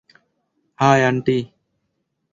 হায়, aunty.